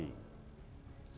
setelah keluar balik lagi